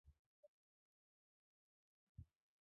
刘季平人。